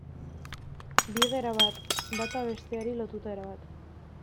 Bi gera bat, bata besteari lotuta erabat.